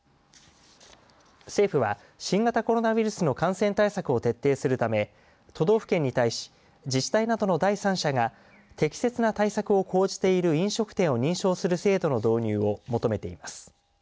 政府は、新型コロナウイルスの感染対策を徹底するため都道府県に対し自治体などの第三者が適切な対策を講じている飲食店を認証する制度の導入を求めています。